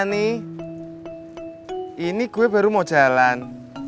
ya ani ini gue baru mau jalan